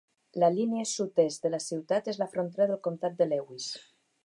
La línia sud-est de la ciutat és la frontera del comptat de Lewis.